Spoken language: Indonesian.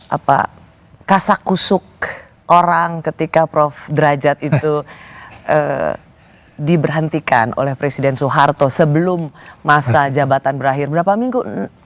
apa kasakusuk orang ketika prof derajat itu diberhentikan oleh presiden soeharto sebelum masa jabatan berakhir berapa minggu